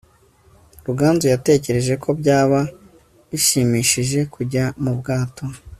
ruganzu yatekereje ko byaba bishimishije kujya mu bwato